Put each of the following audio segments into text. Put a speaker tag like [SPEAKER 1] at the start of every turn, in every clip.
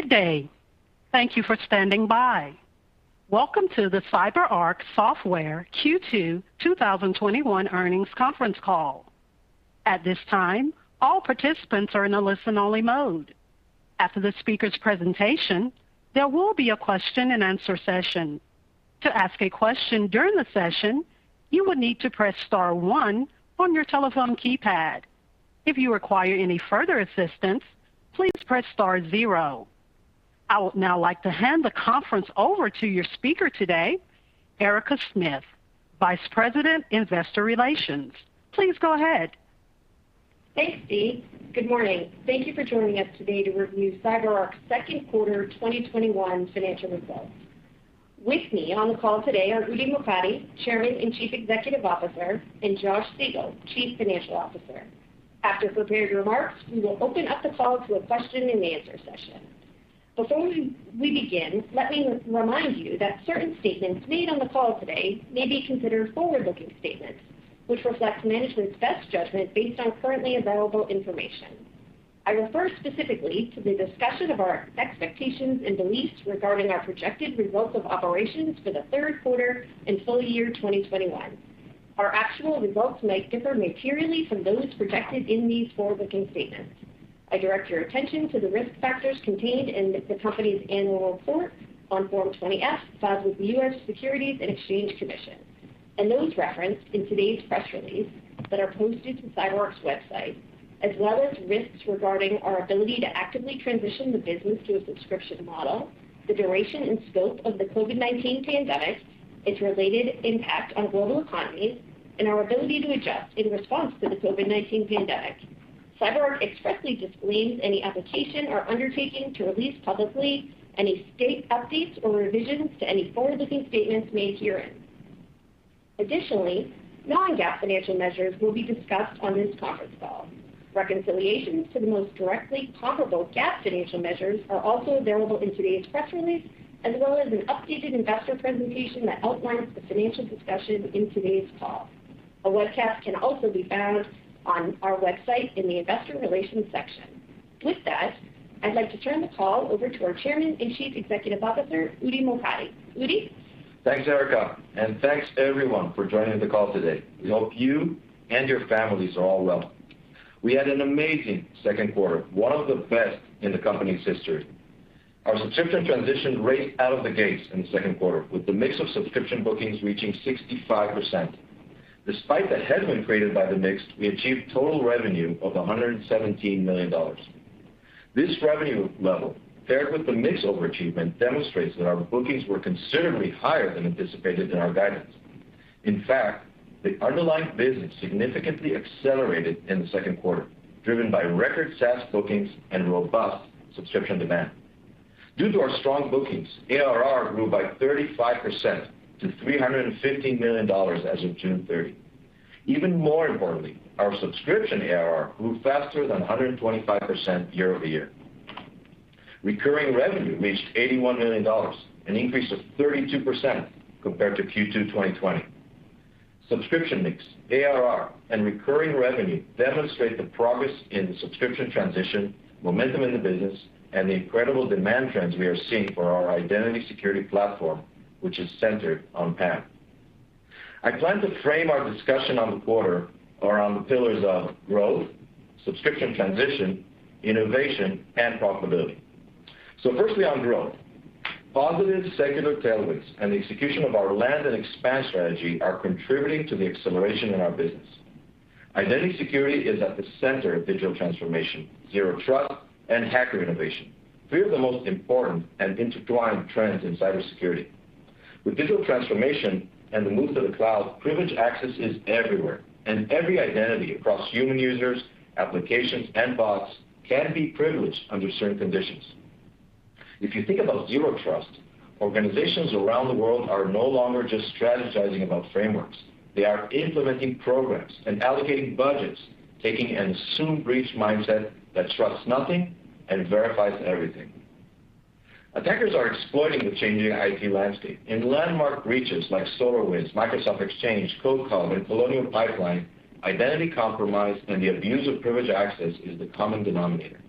[SPEAKER 1] Good day. Thank you for standing by. Welcome to the CyberArk Software Q2 2021 Earnings Conference Call. I would now like to hand the conference over to your speaker today, Erica Smith, Vice President, Investor Relations. Please go ahead.
[SPEAKER 2] Thanks, Steve. Good morning. Thank you for joining us today to review CyberArk's second quarter 2021 financial results. With me on the call today are Udi Mokady, Chairman and Chief Executive Officer, and Josh Siegel, Chief Financial Officer. After prepared remarks, we will open up the call to a question and answer session. Before we begin, let me remind you that certain statements made on the call today may be considered forward-looking statements, which reflect management's best judgment based on currently available information. I refer specifically to the discussion of our expectations and beliefs regarding our projected results of operations for the third quarter and full year 2021. Our actual results may differ materially from those projected in these forward-looking statements. I direct your attention to the risk factors contained in the company's annual report on Form 20-F filed with the U.S. Securities and Exchange Commission, and those referenced in today's press release that are posted to CyberArk's website, as well as risks regarding our ability to actively transition the business to a subscription model, the duration and scope of the COVID-19 pandemic, its related impact on global economies, and our ability to adjust in response to the COVID-19 pandemic. CyberArk expressly disclaims any obligation or undertaking to release publicly any updates or revisions to any forward-looking statements made herein. Additionally, non-GAAP financial measures will be discussed on this conference call. Reconciliations to the most directly comparable GAAP financial measures are also available in today's press release, as well as an updated investor presentation that outlines the financial discussion in today's call. A webcast can also be found on our website in the investor relations section. With that, I'd like to turn the call over to our Chairman and Chief Executive Officer, Udi Mokady. Udi?
[SPEAKER 3] Thanks, Erica, thanks everyone for joining the call today. We hope you and your families are all well. We had an amazing second quarter, one of the best in the company's history. Our subscription transition raced out of the gates in the second quarter, with the mix of subscription bookings reaching 65%. Despite the headwind created by the mix, we achieved total revenue of $117 million. This revenue level, paired with the mix overachievement, demonstrates that our bookings were considerably higher than anticipated in our guidance. In fact, the underlying business significantly accelerated in the second quarter, driven by record SaaS bookings and robust subscription demand. Due to our strong bookings, ARR grew by 35% to $315 million as of June 30. Even more importantly, our subscription ARR grew faster than 125% year-over-year. Recurring revenue reached $81 million, an increase of 32% compared to Q2 2020. Subscription mix, ARR, and recurring revenue demonstrate the progress in the subscription transition, momentum in the business, and the incredible demand trends we are seeing for our identity security platform, which is centered on PAM. I plan to frame our discussion on the quarter around the pillars of growth, subscription transition, innovation, and profitability. Firstly on growth. Positive secular tailwinds and the execution of our land and expand strategy are contributing to the acceleration in our business. Identity security is at the center of digital transformation, zero trust, and hacker innovation, three of the most important and intertwined trends in cybersecurity. With digital transformation and the move to the cloud, privileged access is everywhere, and every identity across human users, applications, and bots can be privileged under certain conditions. If you think about zero trust, organizations around the world are no longer just strategizing about frameworks. They are implementing programs and allocating budgets, taking an assume breach mindset that trusts nothing and verifies everything. Attackers are exploiting the changing IT landscape. In landmark breaches like SolarWinds, Microsoft Exchange, Codecov, and Colonial Pipeline, identity compromise and the abuse of privileged access is the common denominator.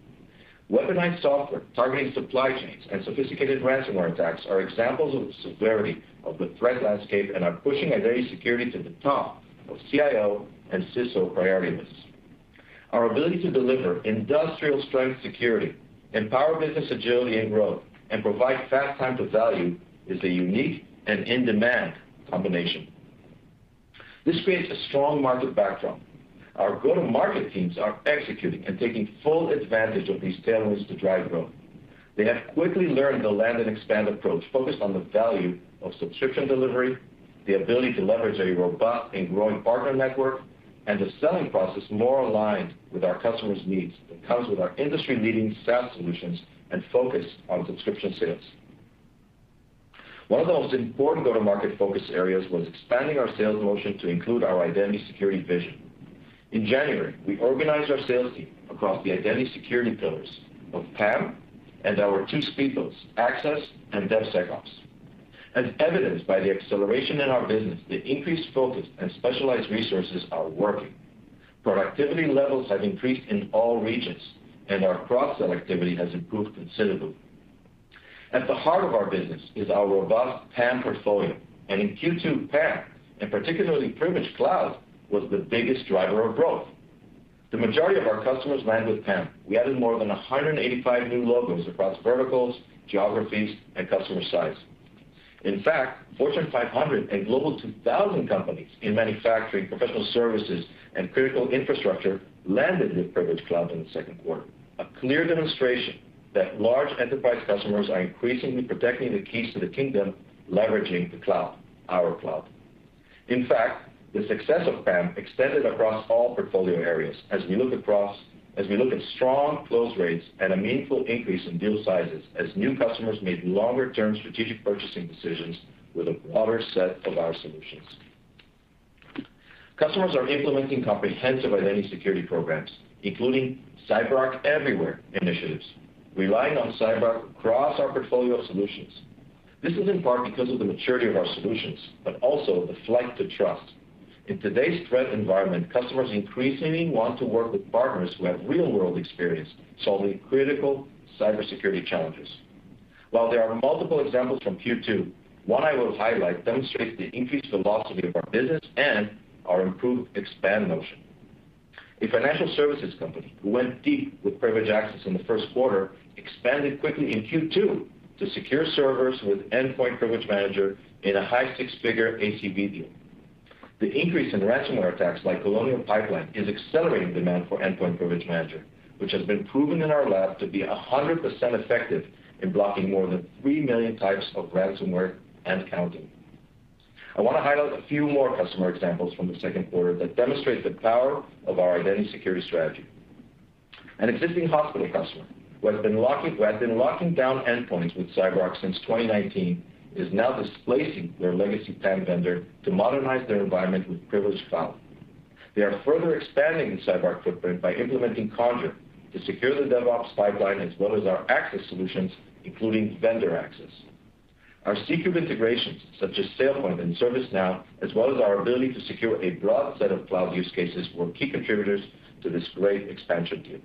[SPEAKER 3] Weaponized software targeting supply chains and sophisticated ransomware attacks are examples of the severity of the threat landscape and are pushing identity security to the top of CIO and CISO priority lists. Our ability to deliver industrial-strength security, empower business agility and growth, and provide fast time to value is a unique and in-demand combination. This creates a strong market backdrop. Our go-to-market teams are executing and taking full advantage of these tailwinds to drive growth. They have quickly learned the land-and-expand approach focused on the value of subscription delivery, the ability to leverage a robust and growing partner network, and a selling process more aligned with our customers' needs that comes with our industry-leading SaaS solutions and focus on subscription sales. One of the most important go-to-market focus areas was expanding our sales motion to include our identity security vision. In January, we organized our sales team across the identity security pillars of PAM and our two speedboats, Access and DevSecOps. As evidenced by the acceleration in our business, the increased focus and specialized resources are working. Productivity levels have increased in all regions, and our cross-sell activity has improved considerably. At the heart of our business is our robust PAM portfolio, and in Q2, PAM, and particularly Privilege Cloud, was the biggest driver of growth. The majority of our customers land with PAM. We added more than 185 new logos across verticals, geographies, and customer size. Fortune 500 and Global 2000 companies in manufacturing, professional services, and critical infrastructure landed with Privilege Cloud in the second quarter, a clear demonstration that large enterprise customers are increasingly protecting the keys to the kingdom, leveraging the cloud, our cloud. The success of PAM extended across all portfolio areas as we look at strong close rates and a meaningful increase in deal sizes as new customers made longer-term strategic purchasing decisions with a broader set of our solutions. Customers are implementing comprehensive identity security programs, including CyberArk Everywhere initiatives, relying on CyberArk across our portfolio of solutions. This is in part because of the maturity of our solutions, but also the flight to trust. In today's threat environment, customers increasingly want to work with partners who have real-world experience solving critical cybersecurity challenges. While there are multiple examples from Q2, one I will highlight demonstrates the increased velocity of our business and our improved expand motion. A financial services company who went deep with Privileged Access in the first quarter expanded quickly in Q2 to secure servers with Endpoint Privilege Manager in a high six-figure ACV deal. The increase in ransomware attacks like Colonial Pipeline is accelerating demand for Endpoint Privilege Manager, which has been proven in our lab to be 100% effective in blocking more than 3 million types of ransomware and counting. I want to highlight a few more customer examples from the second quarter that demonstrate the power of our identity security strategy. An existing hospital customer who has been locking down endpoints with CyberArk since 2019 is now displacing their legacy PAM vendor to modernize their environment with Privilege Cloud. They are further expanding the CyberArk footprint by implementing Conjur to secure the DevOps pipeline, as well as our access solutions, including vendor access. Our C³ integrations, such as SailPoint and ServiceNow, as well as our ability to secure a broad set of cloud use cases, were key contributors to this great expansion deal.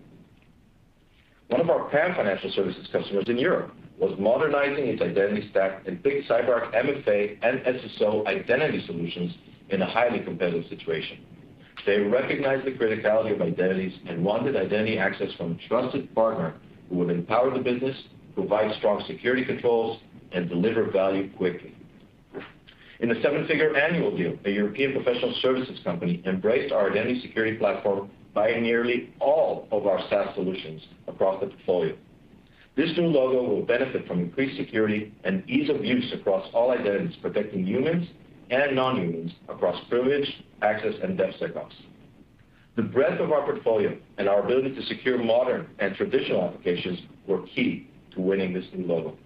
[SPEAKER 3] One of our PAM financial services customers in Europe was modernizing its identity stack and picked CyberArk MFA and SSO identity solutions in a highly competitive situation. They recognized the criticality of identities and wanted identity access from a trusted partner who would empower the business, provide strong security controls, and deliver value quickly. In a seven-figure annual deal, a European professional services company embraced our identity security platform by nearly all of our SaaS solutions across the portfolio. This new logo will benefit from increased security and ease of use across all identities, protecting humans and non-humans across privilege, access, and DevSecOps. The breadth of our portfolio and our ability to secure modern and traditional applications were key to winning this new logo.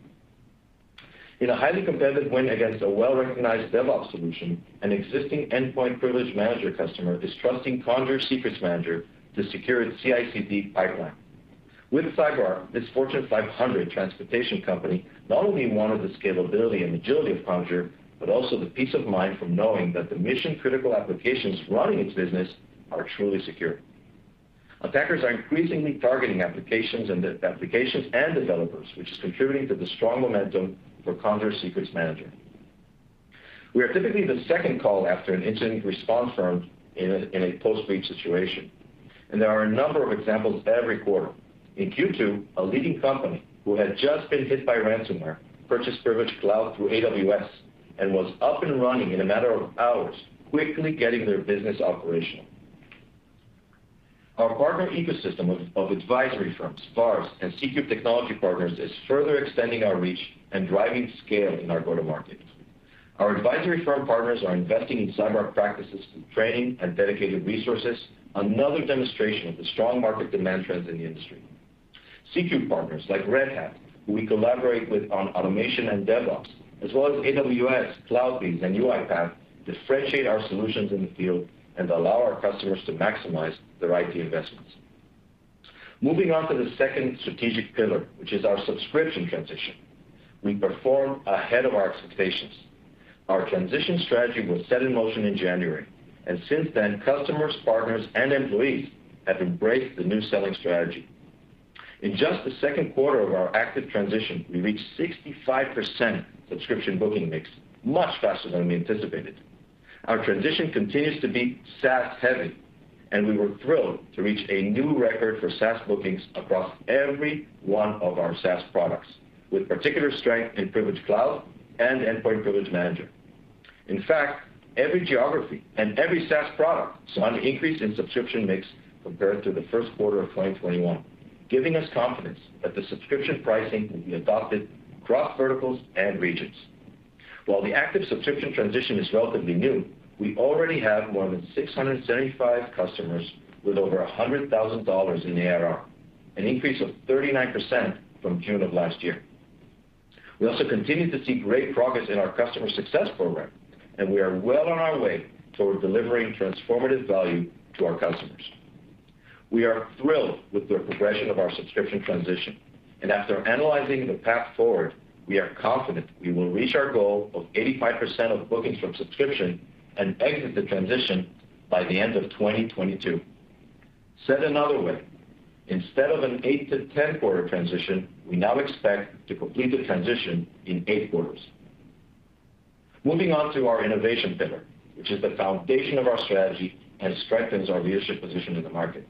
[SPEAKER 3] In a highly competitive win against a well-recognized DevOps solution, an existing Endpoint Privilege Manager customer is trusting Conjur Secrets Manager to secure its CI/CD pipeline. With CyberArk, this Fortune 500 transportation company not only wanted the scalability and agility of Conjur, but also the peace of mind from knowing that the mission-critical applications running its business are truly secure. Attackers are increasingly targeting applications and developers, which is contributing to the strong momentum for Conjur Secrets Manager. We are typically the second call after an incident response firm in a post-breach situation, and there are a number of examples every quarter. In Q2, a leading company who had just been hit by ransomware purchased Privilege Cloud through AWS and was up and running in a matter of hours, quickly getting their business operational. Our partner ecosystem of advisory firms, VARs, and C³ technology partners is further extending our reach and driving scale in our go-to-market. Our advisory firm partners are investing in CyberArk practices through training and dedicated resources, another demonstration of the strong market demand trends in the industry. C³ partners like Red Hat, who we collaborate with on automation and DevOps, as well as AWS, CloudBees, and UiPath, differentiate our solutions in the field and allow our customers to maximize their IT investments. Moving on to the second strategic pillar, which is our subscription transition. We performed ahead of our expectations. Our transition strategy was set in motion in January, and since then, customers, partners, and employees have embraced the new selling strategy. In just the second quarter of our active transition, we reached 65% subscription booking mix, much faster than we anticipated. Our transition continues to be SaaS-heavy, and we were thrilled to reach a new record for SaaS bookings across every one of our SaaS products, with particular strength in Privilege Cloud and Endpoint Privilege Manager. In fact, every geography and every SaaS product saw an increase in subscription mix compared to the first quarter of 2021, giving us confidence that the subscription pricing will be adopted across verticals and regions. While the active subscription transition is relatively new, we already have more than 675 customers with over $100,000 in ARR, an increase of 39% from June of last year. We also continue to see great progress in our customer success program, and we are well on our way toward delivering transformative value to our customers. We are thrilled with the progression of our subscription transition, and after analyzing the path forward, we are confident we will reach our goal of 85% of bookings from subscription and exit the transition by the end of 2022. Said another way, instead of an 8-10 quarter transition, we now expect to complete the transition in eight quarters. Moving on to our innovation pillar, which is the foundation of our strategy and strengthens our leadership position in the market.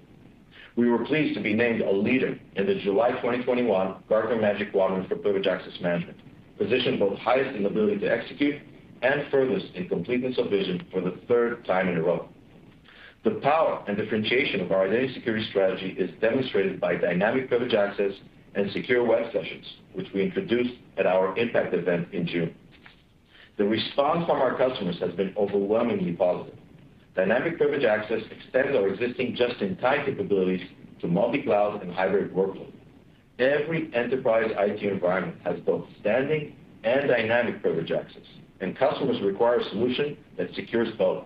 [SPEAKER 3] We were pleased to be named a leader in the July 2021 Gartner Magic Quadrant for Privileged Access Management. Positioned both highest in ability to execute and furthest in completeness of vision for the third time in a row. The power and differentiation of our identity security strategy is demonstrated by Dynamic Privileged Access and Secure Web Sessions, which we introduced at our Impact event in June. The response from our customers has been overwhelmingly positive. Dynamic Privileged Access extends our existing just-in-time capabilities to multi-cloud and hybrid workloads. Every enterprise IT environment has both standing and Dynamic Privileged Access, and customers require a solution that secures both.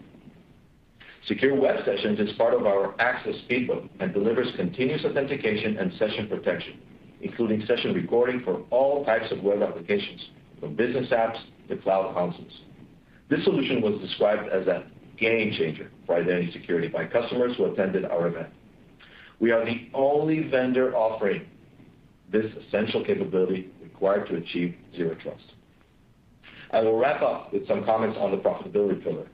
[SPEAKER 3] Secure Web Sessions is part of our access playbook and delivers continuous authentication and session protection, including session recording for all types of web applications, from business apps to cloud consoles. This solution was described as a game changer for identity security by customers who attended our event. We are the only vendor offering this essential capability required to achieve zero trust. I will wrap up with some comments on the profitability pillar.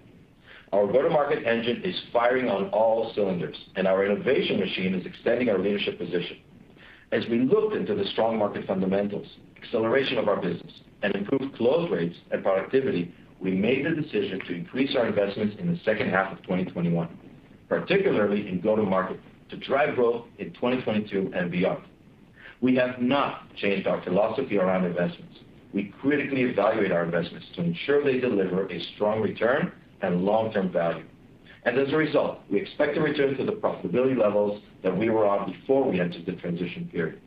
[SPEAKER 3] Our go-to-market engine is firing on all cylinders, and our innovation machine is extending our leadership position. As we looked into the strong market fundamentals, acceleration of our business, and improved close rates and productivity, we made the decision to increase our investments in the second half of 2021, particularly in go-to-market, to drive growth in 2022 and beyond. We have not changed our philosophy around investments. We critically evaluate our investments to ensure they deliver a strong return and long-term value. As a result, we expect to return to the profitability levels that we were on before we entered the transition period.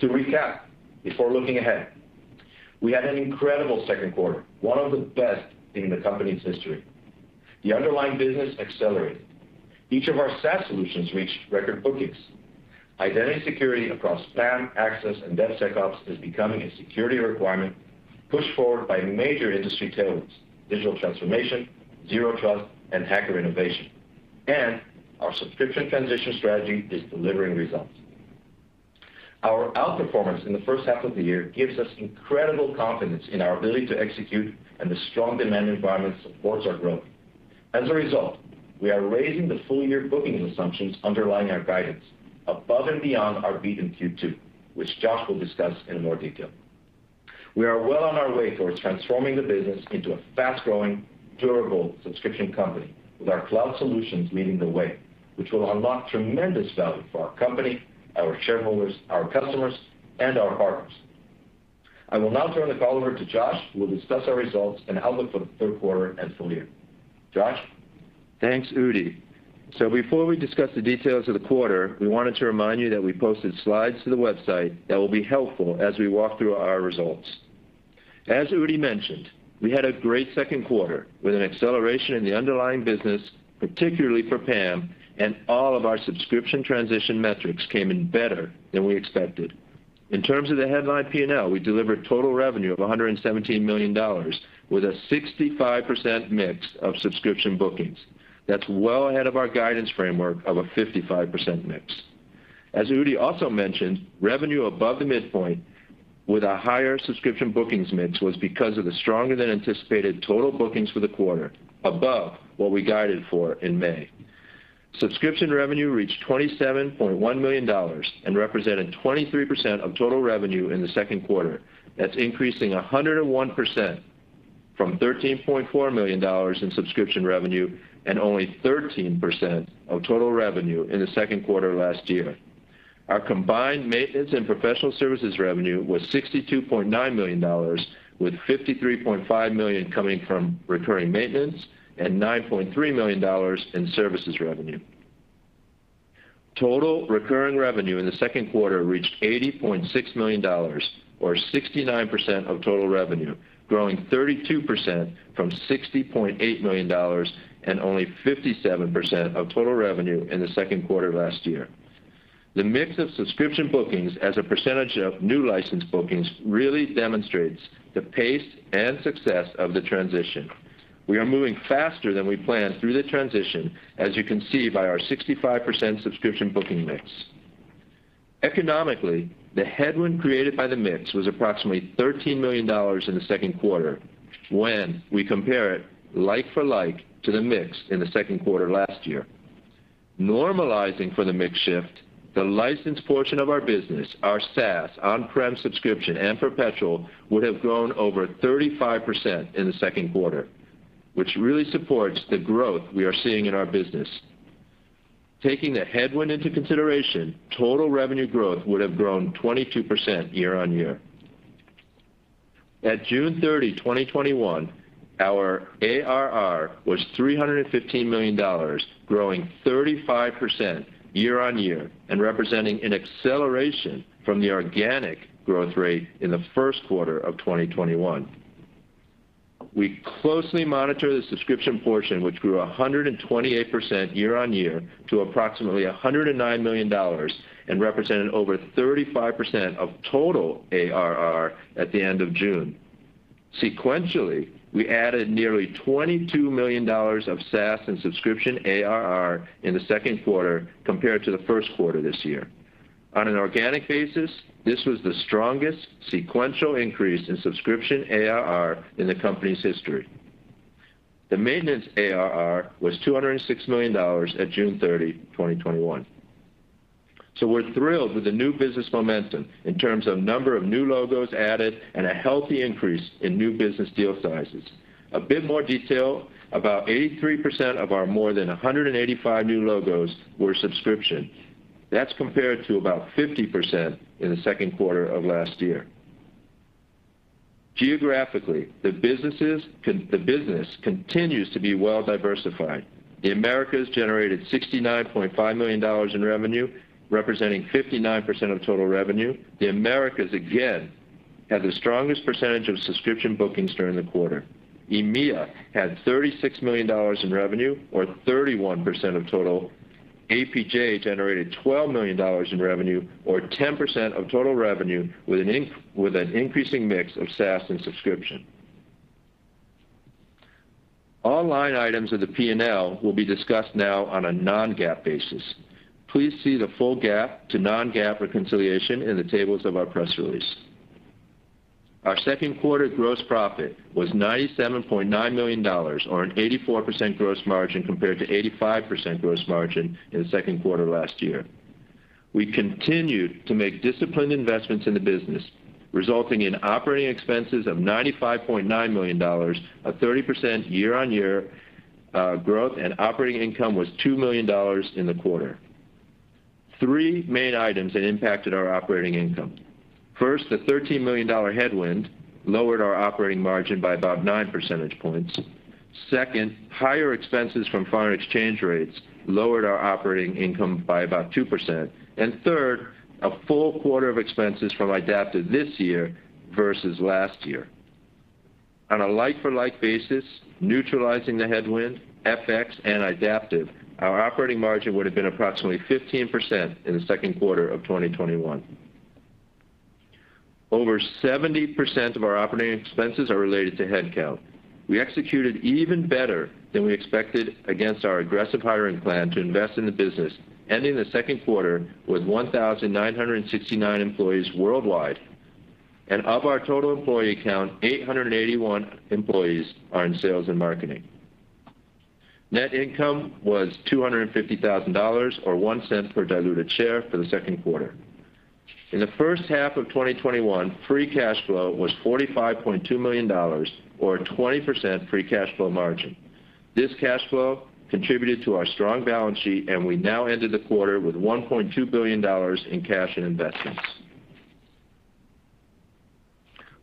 [SPEAKER 3] To recap, before looking ahead, we had an incredible second quarter, one of the best in the company's history. The underlying business accelerated. Each of our SaaS solutions reached record bookings. Identity security across PAM, access and DevSecOps is becoming a security requirement pushed forward by major industry tailwinds, digital transformation, zero trust, and hacker innovation. Our subscription transition strategy is delivering results. Our outperformance in the first half of the year gives us incredible confidence in our ability to execute, and the strong demand environment supports our growth. As a result, we are raising the full-year booking assumptions underlying our guidance above and beyond our beat in Q2, which Josh will discuss in more detail. We are well on our way towards transforming the business into a fast-growing, durable subscription company with our cloud solutions leading the way, which will unlock tremendous value for our company, our shareholders, our customers, and our partners. I will now turn the call over to Josh, who will discuss our results and outlook for the third quarter and full year. Josh?
[SPEAKER 4] Thanks, Udi. Before we discuss the details of the quarter, we wanted to remind you that we posted slides to the website that will be helpful as we walk through our results. As Udi mentioned, we had a great second quarter with an acceleration in the underlying business, particularly for PAM, and all of our subscription transition metrics came in better than we expected. In terms of the headline P&L, we delivered total revenue of $117 million, with a 65% mix of subscription bookings. That's well ahead of our guidance framework of a 55% mix. As Udi also mentioned, revenue above the midpoint with a higher subscription bookings mix was because of the stronger than anticipated total bookings for the quarter above what we guided for in May. Subscription revenue reached $27.1 million and represented 23% of total revenue in the second quarter. That's increasing 101% from $13.4 million in subscription revenue and only 13% of total revenue in the second quarter last year. Our combined maintenance and professional services revenue was $62.9 million, with $53.5 million coming from recurring maintenance and $9.3 million in services revenue. Total recurring revenue in the second quarter reached $80.6 million, or 69% of total revenue, growing 32% from $60.8 million and only 57% of total revenue in the second quarter last year. The mix of subscription bookings as a percentage of new license bookings really demonstrates the pace and success of the transition. We are moving faster than we planned through the transition, as you can see by our 65% subscription booking mix. Economically, the headwind created by the mix was approximately $13 million in the second quarter when we compare it like for like to the mix in the second quarter last year. Normalizing for the mix shift, the licensed portion of our business, our SaaS, on-prem subscription, and perpetual, would have grown over 35% in the second quarter, which really supports the growth we are seeing in our business. Taking the headwind into consideration, total revenue growth would have grown 22% year-on-year. At June 30, 2021, our ARR was $315 million, growing 35% year-on-year and representing an acceleration from the organic growth rate in the first quarter of 2021. We closely monitor the subscription portion, which grew 128% year-on-year to approximately $109 million and represented over 35% of total ARR at the end of June. Sequentially, we added nearly $22 million of SaaS and subscription ARR in the second quarter compared to the first quarter of this year. On an organic basis, this was the strongest sequential increase in subscription ARR in the company's history. The maintenance ARR was $206 million at June 30, 2021. We're thrilled with the new business momentum in terms of number of new logos added and a healthy increase in new business deal sizes. A bit more detail, about 83% of our more than 185 new logos were subscription. That's compared to about 50% in the second quarter of last year. Geographically, the business continues to be well-diversified. The Americas generated $69.5 million in revenue, representing 59% of total revenue. The Americas, again, had the strongest percentage of subscription bookings during the quarter. EMEA had $36 million in revenue or 31% of total. APJ generated $12 million in revenue or 10% of total revenue with an increasing mix of SaaS and subscription. Online items of the P&L will be discussed now on a non-GAAP basis. Please see the full GAAP to non-GAAP reconciliation in the tables of our press release. Our second quarter gross profit was $97.9 million, or an 84% gross margin compared to 85% gross margin in the second quarter last year. We continued to make disciplined investments in the business, resulting in operating expenses of $95.9 million, a 30% year-on-year growth, and operating income was $2 million in the quarter. Three main items that impacted our operating income. First, the $13 million headwind lowered our operating margin by about nine percentage points. Second, higher expenses from foreign exchange rates lowered our operating income by about 2%. Third, a full quarter of expenses from Idaptive this year versus last year. On a like-for-like basis, neutralizing the headwind, FX, and Idaptive, our operating margin would have been approximately 15% in the second quarter of 2021. Over 70% of our operating expenses are related to headcount. We executed even better than we expected against our aggressive hiring plan to invest in the business, ending the second quarter with 1,969 employees worldwide. Of our total employee count, 881 employees are in sales and marketing. Net income was $250,000, or $0.01 per diluted share for the second quarter. In the first half of 2021, free cash flow was $45.2 million, or a 20% free cash flow margin. This cash flow contributed to our strong balance sheet, and we now ended the quarter with $1.2 billion in cash and investments.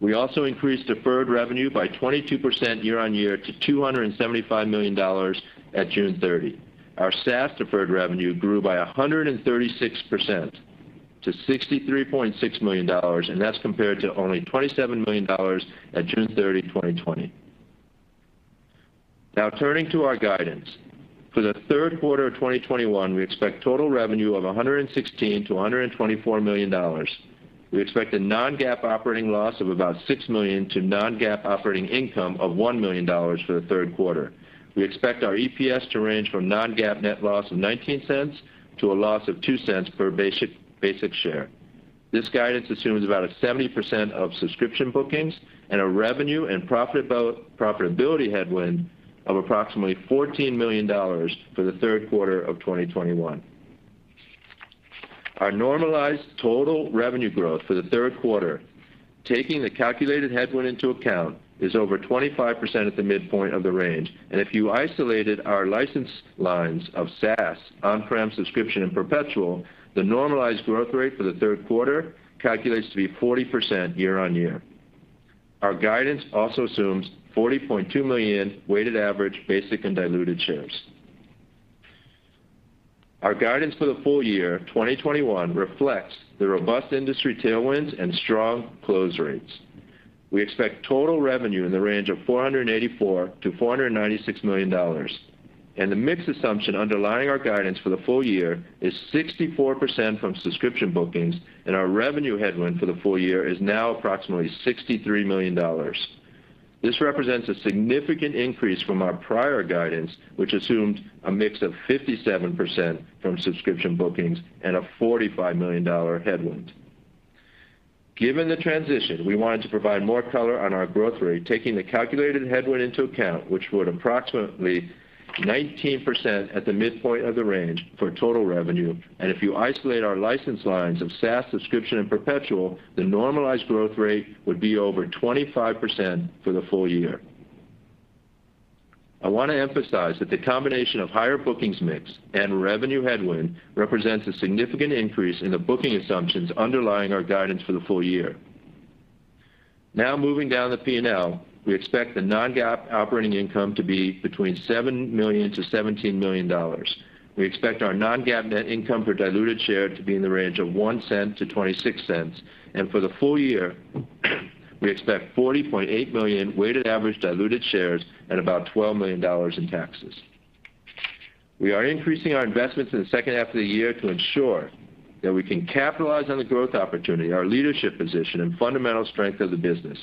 [SPEAKER 4] We also increased deferred revenue by 22% year-on-year to $275 million at June 30. Our SaaS deferred revenue grew by 136% to $63.6 million, and that's compared to only $27 million at June 30, 2020. Now turning to our guidance. For the third quarter of 2021, we expect total revenue of $116 million-$124 million. We expect a non-GAAP operating loss of about $6 million to non-GAAP operating income of $1 million for the third quarter. We expect our EPS to range from non-GAAP net loss of $0.19 to a loss of $0.02 per basic share. This guidance assumes about a 70% of subscription bookings and a revenue and profitability headwind of approximately $14 million for the third quarter of 2021. Our normalized total revenue growth for the third quarter, taking the calculated headwind into account, is over 25% at the midpoint of the range. If you isolated our license lines of SaaS, on-prem, subscription, and perpetual, the normalized growth rate for the third quarter calculates to be 40% year-on-year. Our guidance also assumes $40.2 million weighted average basic and diluted shares. Our guidance for the full year 2021 reflects the robust industry tailwinds and strong close rates. We expect total revenue in the range of $484 million-$496 million. The mix assumption underlying our guidance for the full year is 64% from subscription bookings, and our revenue headwind for the full year is now approximately $63 million. This represents a significant increase from our prior guidance, which assumed a mix of 57% from subscription bookings and a $45 million headwind. Given the transition, we wanted to provide more color on our growth rate, taking the calculated headwind into account, which would approximately 19% at the midpoint of the range for total revenue. If you isolate our license lines of SaaS, subscription, and perpetual, the normalized growth rate would be over 25% for the full year. I want to emphasize that the combination of higher bookings mix and revenue headwind represents a significant increase in the booking assumptions underlying our guidance for the full year. Moving down the P&L, we expect the non-GAAP operating income to be between $7 million-$17 million. We expect our non-GAAP net income per diluted share to be in the range of $0.01-$0.26. For the full year, we expect $40.8 million weighted average diluted shares and about $12 million in taxes. We are increasing our investments in the second half of the year to ensure that we can capitalize on the growth opportunity, our leadership position, and fundamental strength of the business.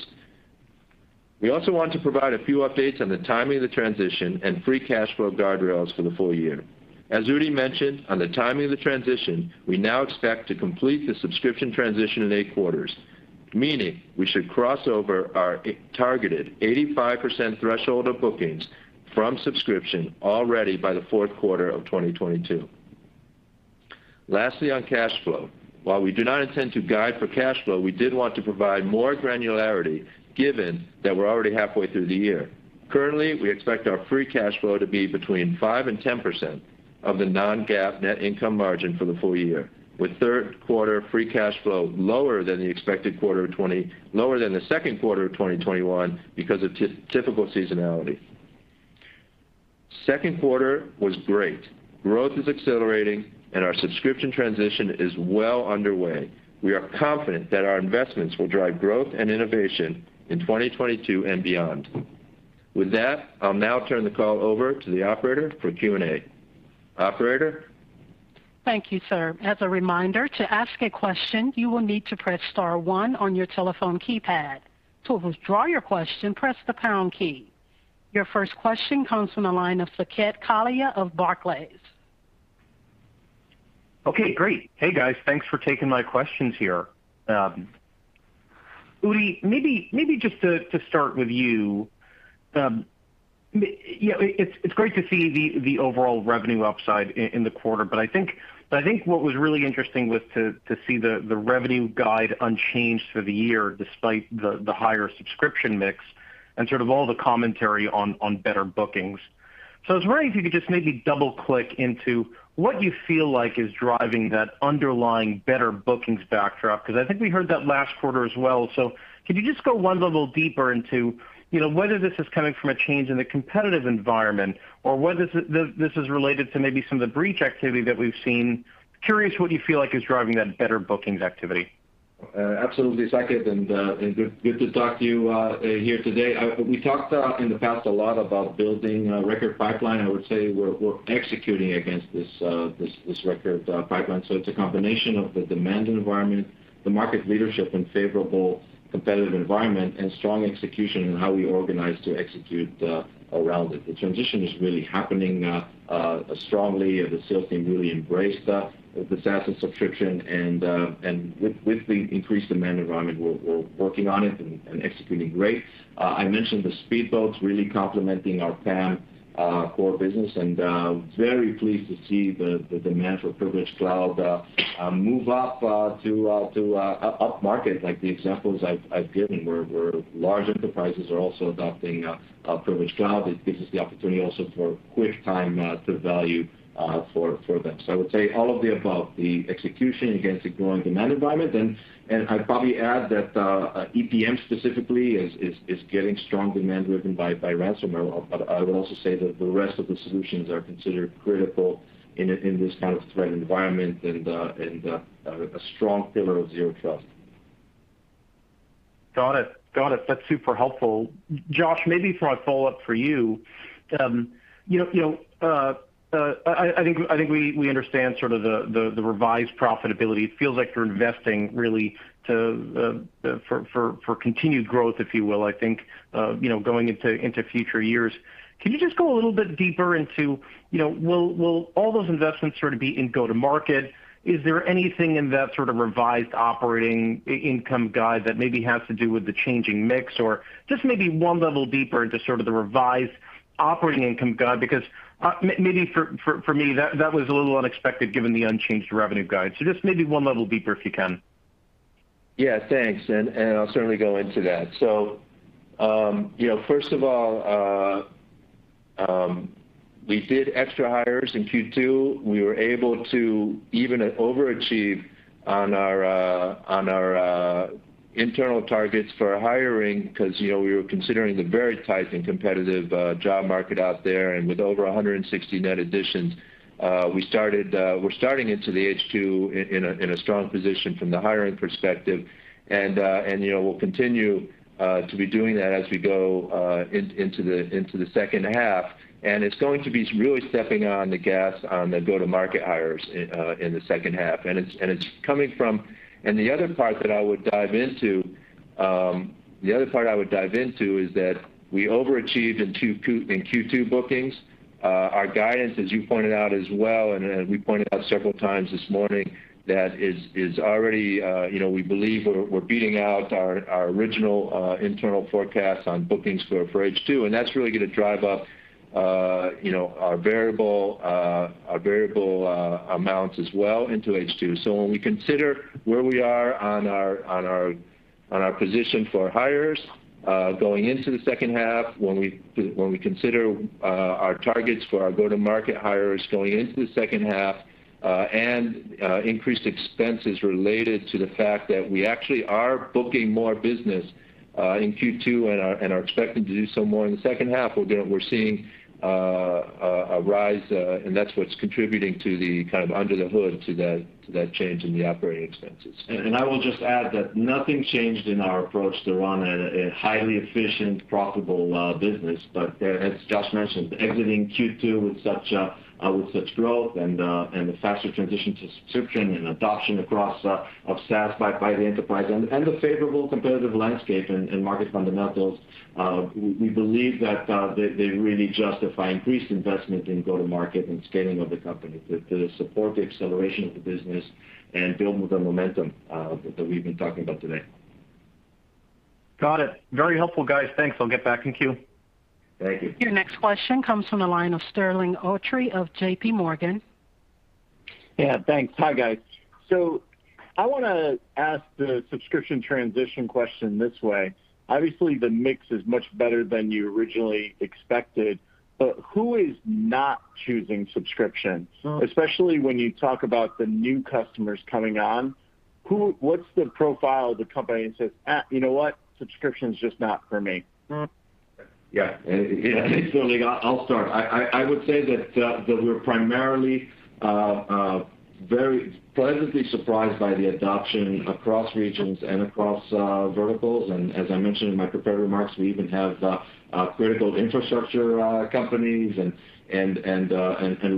[SPEAKER 4] We also want to provide a few updates on the timing of the transition and free cash flow guardrails for the full year. As Udi mentioned, on the timing of the transition, we now expect to complete the subscription transition in eight quarters, meaning we should cross over our targeted 85% threshold of bookings from subscription already by the fourth quarter of 2022. Lastly, on cash flow. While we do not intend to guide for cash flow, we did want to provide more granularity given that we're already halfway through the year. Currently, we expect our free cash flow to be between 5%-10% of the non-GAAP net income margin for the full year, with third quarter free cash flow lower than the second quarter of 2021 because of typical seasonality. Second quarter was great. Growth is accelerating. Our subscription transition is well underway. We are confident that our investments will drive growth and innovation in 2022 and beyond. With that, I'll now turn the call over to the operator for Q&A. Operator?
[SPEAKER 1] Thank you, sir. Your first question comes from the line of Saket Kalia of Barclays.
[SPEAKER 5] Okay, great. Hey, guys. Thanks for taking my questions here. Udi, maybe just to start with you. It's great to see the overall revenue upside in the quarter. I think what was really interesting was to see the revenue guide unchanged for the year, despite the higher subscription mix and sort of all the commentary on better bookings. I was wondering if you could just maybe double-click into what you feel like is driving that underlying better bookings backdrop, because I think we heard that last quarter as well. Can you just go one level deeper into whether this is coming from a change in the competitive environment, or whether this is related to maybe some of the breach activity that we've seen? Curious what you feel like is driving that better bookings activity.
[SPEAKER 3] Absolutely, Saket, and good to talk to you here today. We talked in the past a lot about building a record pipeline. I would say we're executing against this record pipeline. It's a combination of the demand environment, the market leadership, and favorable competitive environment, and strong execution in how we organize to execute around it. The transition is really happening strongly. The sales team really embraced the SaaS subscription, and with the increased demand environment, we're working on it and executing great. I mentioned the speedboats really complementing our PAM core business, and very pleased to see the demand for Privilege Cloud move up to upmarket, like the examples I've given, where large enterprises are also adopting Privilege Cloud. It gives us the opportunity also for quick time to value for them. I would say all of the above, the execution against a growing demand environment, and I'd probably add that EPM specifically is getting strong demand driven by ransomware. I would also say that the rest of the solutions are considered critical in this kind of threat environment and a strong pillar of Zero Trust.
[SPEAKER 5] Got it. That's super helpful. Josh, maybe for a follow-up for you. I think we understand sort of the revised profitability. It feels like you're investing really for continued growth, if you will, I think, going into future years. Can you just go a little bit deeper into will all those investments sort of be in go-to-market? Is there anything in that sort of revised operating income guide that maybe has to do with the changing mix? Just maybe one level deeper into sort of the revised operating income guide, because maybe for me, that was a little unexpected given the unchanged revenue guide. Just maybe one level deeper, if you can.
[SPEAKER 4] Thanks, I'll certainly go into that. First of all, we did extra hires in Q2. We were able to even overachieve on our internal targets for hiring because we were considering the very tight and competitive job market out there. With over 160 net additions, we're starting into the H2 in a strong position from the hiring perspective. We'll continue to be doing that as we go into the second half. It's going to be really stepping on the gas on the go-to-market hires in the second half. The other part that I would dive into is that we overachieved in Q2 bookings. Our guidance, as you pointed out as well, as we pointed out several times this morning, that is already, we believe we're beating out our original internal forecast on bookings for H2, and that's really going to drive up our variable amounts as well into H2. When we consider where we are on our position for hires going into the second half, when we consider our targets for our go-to-market hires going into the second half, and increased expenses related to the fact that we actually are booking more business in Q2 and are expecting to do so more in the second half, we're seeing a rise, and that's what's contributing to the kind of under the hood to that change in the operating expenses.
[SPEAKER 3] I will just add that nothing changed in our approach to run a highly efficient, profitable business. As Josh mentioned, exiting Q2 with such growth and the faster transition to subscription and adoption across of SaaS by the enterprise and the favorable competitive landscape and market fundamentals, we believe that they really justify increased investment in go-to-market and scaling of the company to support the acceleration of the business and build on the momentum that we've been talking about today.
[SPEAKER 5] Got it. Very helpful, guys. Thanks. I'll get back in queue.
[SPEAKER 3] Thank you.
[SPEAKER 1] Your next question comes from the line of Sterling Auty of JPMorgan.
[SPEAKER 6] Yeah, thanks. Hi, guys. I want to ask the subscription transition question this way. Obviously, the mix is much better than you originally expected. Who is not choosing subscription? Especially when you talk about the new customers coming on, what's the profile of the company that says, You know what? Subscription's just not for me.
[SPEAKER 3] Sterling, I'll start. I would say that we're primarily very pleasantly surprised by the adoption across regions and across verticals. As I mentioned in my prepared remarks, we even have critical infrastructure companies and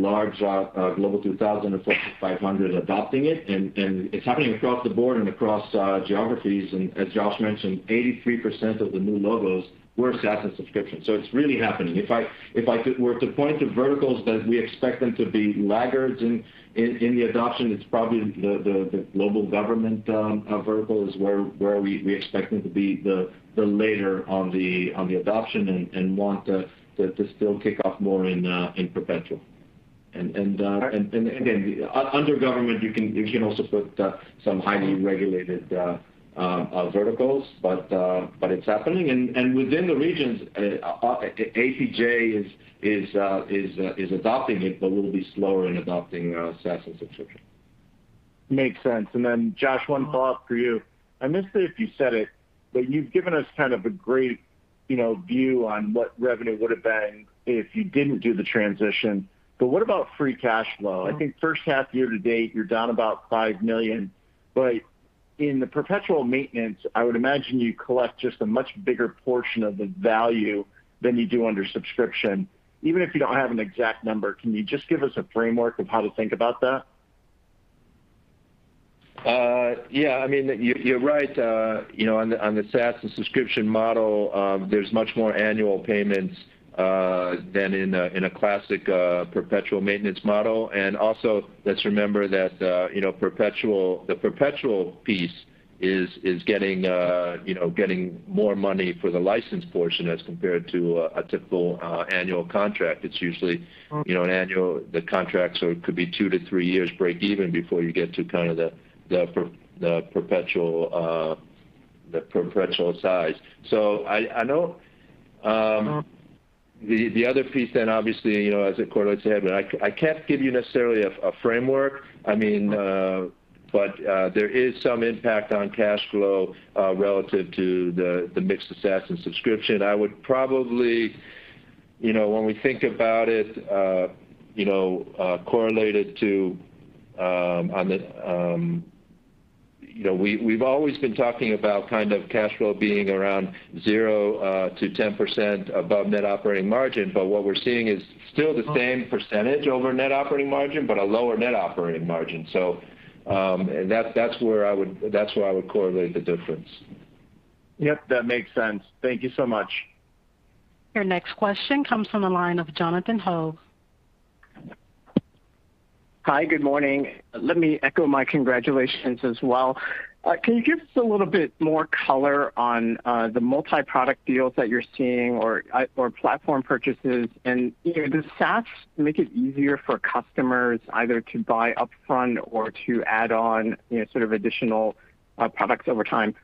[SPEAKER 3] large Global 2000 and Fortune 500 adopting it. It's happening across the board and across geographies. As Josh mentioned, 83% of the new logos were SaaS and subscription. It's really happening. If I were to point to verticals that we expect them to be laggards in the adoption, it's probably the global government verticals where we expect them to be the later on the adoption and want to still kick off more in perpetual. Again, under government, you can also put some highly regulated verticals. It's happening. Within the regions, APJ is adopting it, a little bit slower in adopting SaaS and subscription.
[SPEAKER 6] Makes sense. Then Josh, one follow-up for you. I missed it if you said it, but you've given us kind of a great view on what revenue would've been if you didn't do the transition, but what about free cash flow? I think first half year to date, you're down about $5 million, but in the perpetual maintenance, I would imagine you collect just a much bigger portion of the value than you do under subscription. Even if you don't have an exact number, can you just give us a framework of how to think about that?
[SPEAKER 4] Yeah, you're right. On the SaaS and subscription model, there's much more annual payments than in a classic perpetual maintenance model. Let's remember that the perpetual piece is getting more money for the license portion as compared to a typical annual contract. It's usually an annual contract, so it could be two to three years break even before you get to the perpetual size. I know the other piece then obviously, as it correlates to him, and I can't give you necessarily a framework. There is some impact on cash flow relative to the mixed SaaS and subscription. I would probably, when we think about it, correlate it to We've always been talking about cash flow being around 0%-10% above net operating margin, but what we're seeing is still the same percentage over net operating margin, but a lower net operating margin. That's where I would correlate the difference.
[SPEAKER 6] Yep, that makes sense. Thank you so much.
[SPEAKER 1] Your next question comes from the line of Jonathan Ho.
[SPEAKER 7] Hi, good morning. Let me echo my congratulations as well. Can you give us a little bit more color on the multi-product deals that you're seeing or platform purchases? Does SaaS make it easier for customers either to buy upfront or to add on additional products over time?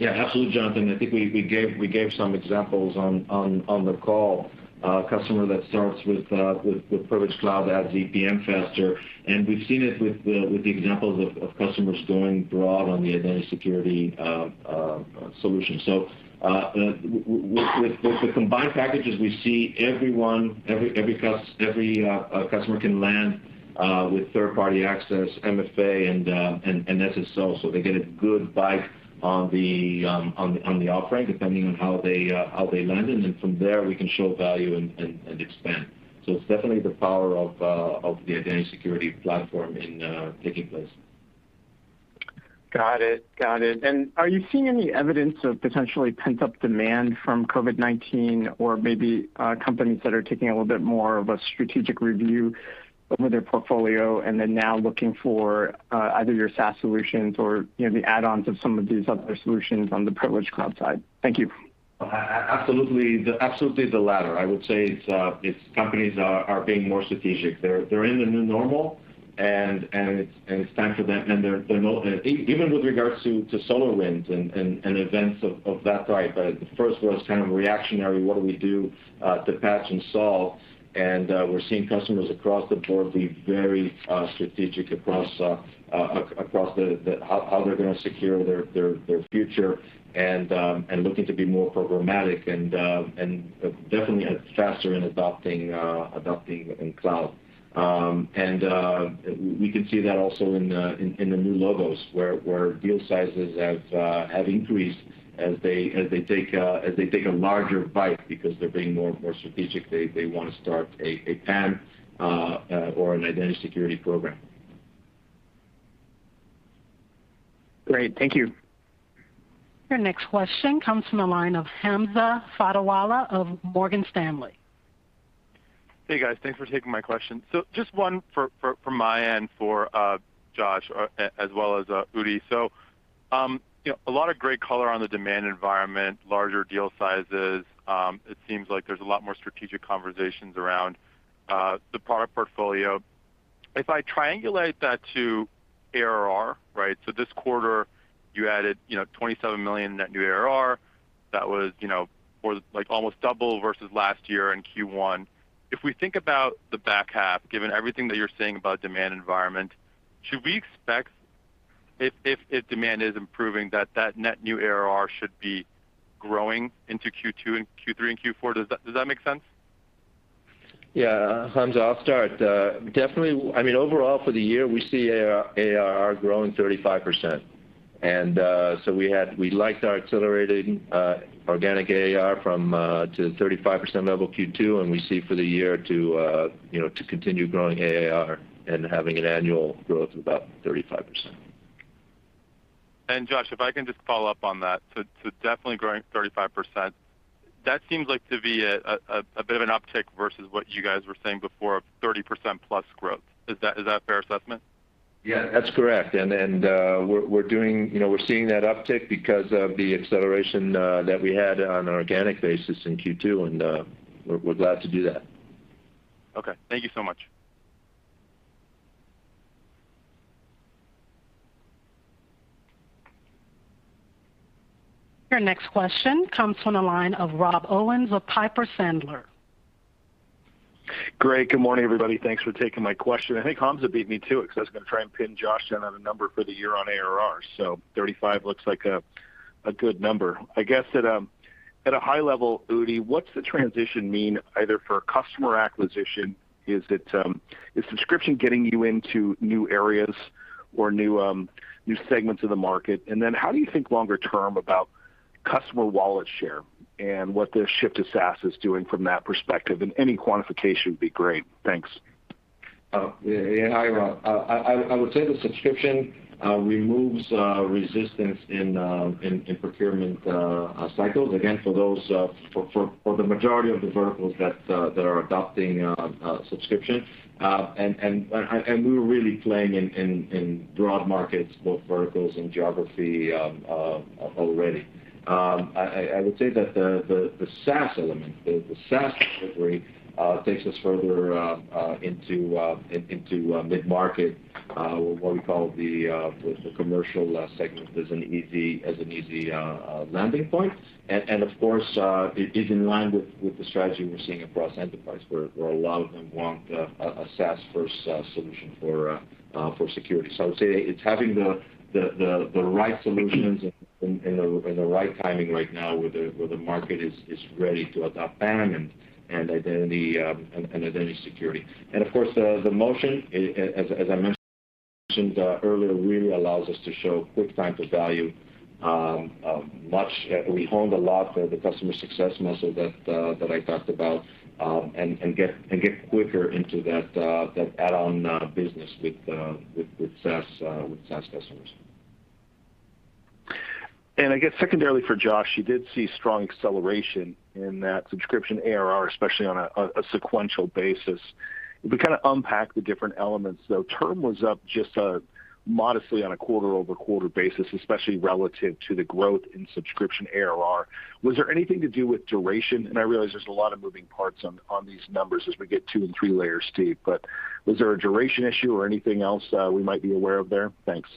[SPEAKER 3] Absolutely, Jonathan. I think we gave some examples on the call. A customer that starts with Privilege Cloud adds EPM faster, we've seen it with the examples of customers going broad on the identity security solution. With the combined packages, we see every customer can land with third-party access, MFA, and SSO. They get a good bite on the offering depending on how they land, and then from there, we can show value and expand. It's definitely the power of the Identity Security platform taking place.
[SPEAKER 7] Got it. Are you seeing any evidence of potentially pent-up demand from COVID-19 or maybe companies that are taking a little bit more of a strategic review over their portfolio and then now looking for either your SaaS solutions or the add-ons of some of these other solutions on the Privilege Cloud side? Thank you.
[SPEAKER 3] Absolutely the latter. I would say it's companies are being more strategic. They're in the new normal and it's time for them. Even with regards to SolarWinds and events of that type. At first it was kind of reactionary, what do we do to patch and solve? We're seeing customers across the board be very strategic across how they're going to secure their future and looking to be more programmatic and definitely faster in adopting within cloud. We can see that also in the new logos where deal sizes have increased as they take a larger bite because they're being more strategic. They want to start a PAM or an identity security program.
[SPEAKER 7] Great. Thank you.
[SPEAKER 1] Your next question comes from the line of Hamza Fodderwala of Morgan Stanley
[SPEAKER 8] Hey guys, thanks for taking my question. Just one from my end for Josh, as well as Udi. A lot of great color on the demand environment, larger deal sizes. It seems like there's a lot more strategic conversations around the product portfolio. If I triangulate that to ARR, right? This quarter you added $27 million net new ARR. That was almost double versus last year in Q1. If we think about the back half, given everything that you're saying about demand environment, should we expect if demand is improving, that net new ARR should be growing into Q2 and Q3 and Q4? Does that make sense?
[SPEAKER 3] Yeah. Hamza, I'll start. Definitely, overall for the year, we see ARR growing 35%. So we liked our accelerated organic ARR to 35% level Q2, and we see for the year to continue growing ARR and having an annual growth of about 35%.
[SPEAKER 8] Josh, if I can just follow up on that. Definitely growing 35%, that seems like to be a bit of an uptick versus what you guys were saying before of 30% plus growth. Is that a fair assessment?
[SPEAKER 4] Yeah, that's correct. We're seeing that uptick because of the acceleration that we had on an organic basis in Q2, and we're glad to do that.
[SPEAKER 8] Okay. Thank you so much.
[SPEAKER 1] Your next question comes from the line of Rob Owens of Piper Sandler.
[SPEAKER 9] Great. Good morning, everybody. Thanks for taking my question. I think Hamza beat me to it, because I was going to try and pin Josh down on a number for the year on ARR. 35 looks like a good number. I guess at a high level, Udi, what's the transition mean either for customer acquisition, is subscription getting you into new areas or new segments of the market? How do you think longer term about customer wallet share and what the shift to SaaS is doing from that perspective? Any quantification would be great. Thanks.
[SPEAKER 3] Hi, Rob. I would say the subscription removes resistance in procurement cycles, again, for the majority of the verticals that are adopting subscription. We're really playing in broad markets, both verticals and geography already. I would say that the SaaS element, the SaaS delivery, takes us further into mid-market, what we call the commercial segment as an easy landing point. Of course, it is in line with the strategy we're seeing across enterprise, where a lot of them want a SaaS first solution for security. I would say it's having the right solutions and the right timing right now where the market is ready to adopt PAM and identity security. Of course, the motion, as I mentioned earlier, really allows us to show quick time to value. We honed a lot for the customer success muscle that I talked about, and get quicker into that add-on business with SaaS customers.
[SPEAKER 9] I guess secondarily for Josh, you did see strong acceleration in that subscription ARR, especially on a sequential basis. If we kind of unpack the different elements, though, term was up just modestly on a quarter-over-quarter basis, especially relative to the growth in subscription ARR. Was there anything to do with duration? I realize there's a lot of moving parts on these numbers as we get two and three layers deep, but was there a duration issue or anything else we might be aware of there? Thanks.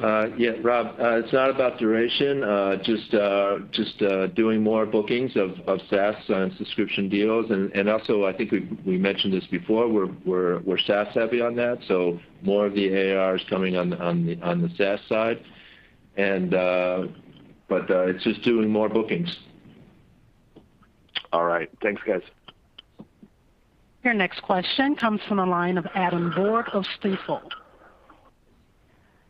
[SPEAKER 4] Yeah, Rob, it's not about duration. Just doing more bookings of SaaS subscription deals, and also, I think we mentioned this before, we're SaaS savvy on that, so more of the ARR is coming on the SaaS side, but it's just doing more bookings.
[SPEAKER 9] All right. Thanks, guys.
[SPEAKER 1] Your next question comes from the line of Adam Borg of Stifel.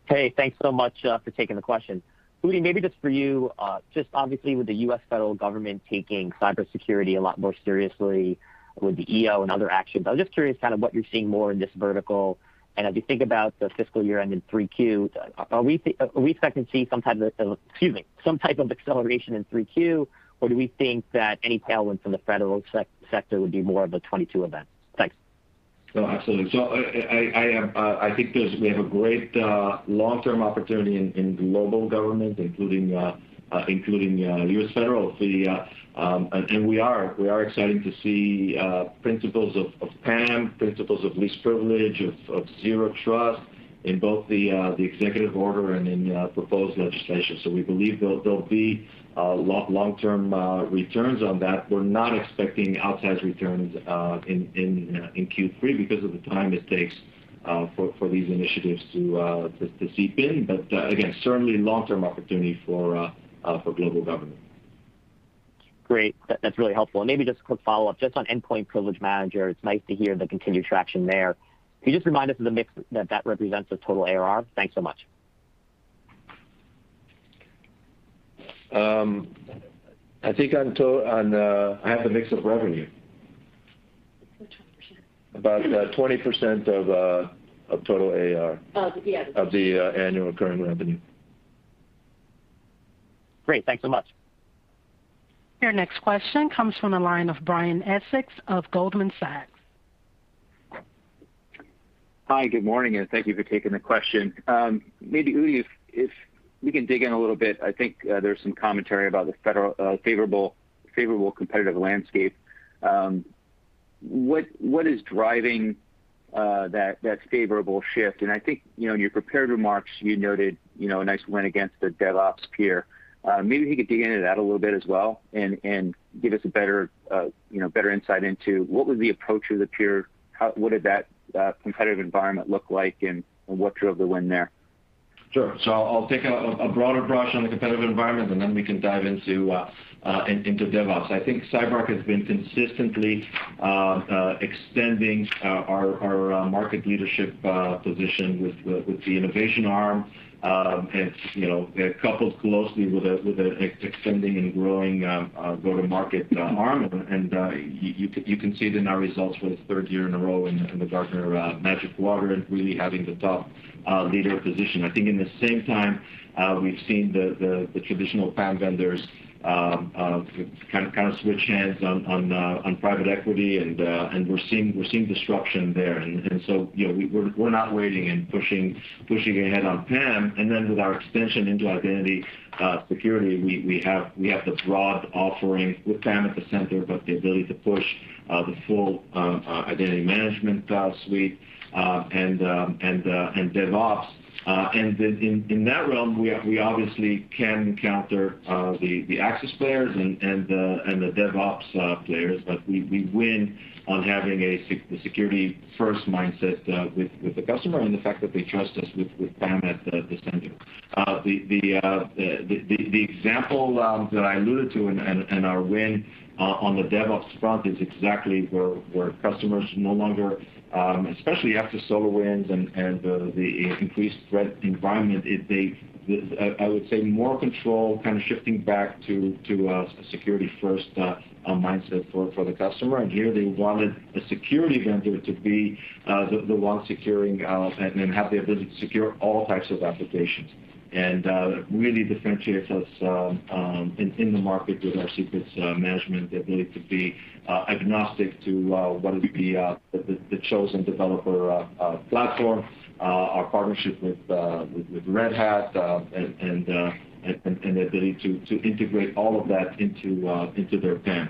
[SPEAKER 10] Hey, thanks so much for taking the question. Udi, maybe just for you, just obviously with the U.S. federal government taking cybersecurity a lot more seriously with the EO and other actions, I was just curious, what you're seeing more in this vertical, and as you think about the fiscal year ending 3Q, are we expecting to see some type of acceleration in 3Q, or do we think that any tailwind from the federal sector would be more of a 2022 event? Thanks.
[SPEAKER 3] Absolutely. I think we have a great long-term opportunity in global government, including U.S. federal. We are excited to see principles of PAM, principles of least privilege, of zero trust in both the Executive Order and in proposed legislation. We believe there'll be long-term returns on that. We're not expecting outsized returns in Q3 because of the time it takes for these initiatives to seep in. Again, certainly long-term opportunity for global government.
[SPEAKER 10] Great. That's really helpful. Maybe just a quick follow-up, just on Endpoint Privilege Manager. It's nice to hear the continued traction there. Can you just remind us of the mix that that represents of total ARR? Thanks so much.
[SPEAKER 3] I think on total, on I have the mix of revenue. About 20% of total ARR. Of the annual recurring revenue.
[SPEAKER 10] Great. Thanks so much.
[SPEAKER 1] Your next question comes from the line of Brian Essex of Goldman Sachs.
[SPEAKER 11] Hi. Good morning, and thank you for taking the question. Maybe, Udi, if you can dig in a little bit, I think there's some commentary about the favorable competitive landscape. What is driving that favorable shift? I think, in your prepared remarks, you noted a nice win against a DevOps peer. Maybe you could dig into that a little bit as well and give us better insight into what was the approach of the peer, what did that competitive environment look like, and what drove the win there?
[SPEAKER 3] Sure. I'll take a broader brush on the competitive environment, then we can dive into DevOps. I think CyberArk has been consistently extending our market leadership position with the innovation arm, and it coupled closely with the extending and growing go-to-market arm. You can see it in our results for the third year in a row in the Gartner Magic Quadrant, really having the top leader position. I think in the same time, we've seen the traditional PAM vendors kind of switch hands on private equity, and we're seeing disruption there. We're not waiting, and pushing ahead on PAM. Then with our extension into identity security, we have the broad offering with PAM at the center, but the ability to push the full identity management suite and DevOps. In that realm, we obviously can counter the access players and the DevOps players, but we win on having a security-first mindset with the customer, and the fact that they trust us with PAM at the center. The example that I alluded to, and our win on the DevOps front is exactly where customers no longer, especially after SolarWinds and the increased threat environment, I would say more control, kind of shifting back to a security-first mindset for the customer. Here, they wanted a security vendor to be the one securing out, and have the ability to secure all types of applications. It really differentiates us in the market with our secrets management, the ability to be agnostic to what would be the chosen developer platform, our partnership with Red Hat, and the ability to integrate all of that into their PAM.